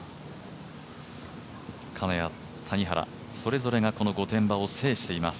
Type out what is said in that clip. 金谷、谷原、それぞれがこの御殿場を制しています。